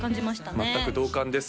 全く同感です